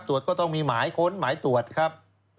ก็ต้องมีหมายค้นหมายตรวจครับ